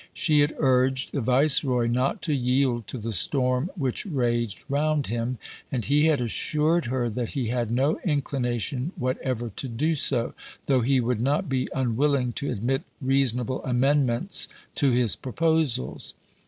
She had urged the Viceroy "not to yield to the storm which raged round him," and he had assured her that he had no inclination whatever to do so, though he would not be unwilling to admit reasonable amendments to his proposals.